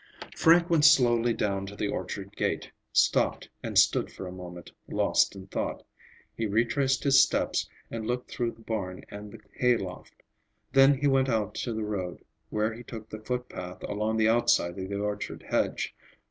Frank went slowly down to the orchard gate, stopped and stood for a moment lost in thought. He retraced his steps and looked through the barn and the hayloft. Then he went out to the road, where he took the foot path along the outside of the orchard hedge.